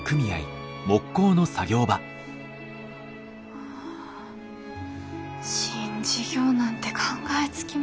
ああ新事業なんて考えつきません。